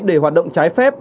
để hoạt động trái phép